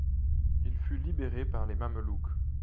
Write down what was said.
Il fut libéré par les Mamelouks.